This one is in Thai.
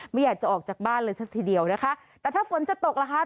ไม่อยากจะออกจากบ้านเลยสักทีเดียวนะคะแต่ถ้าฝนจะตกล่ะคะ